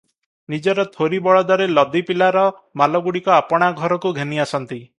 ନିଜର ଥୋରି ବଳଦରେ ଲଦି ପିଲାର ମାଲଗୁଡିକ ଆପଣା ଘରକୁ ଘେନି ଆସନ୍ତି ।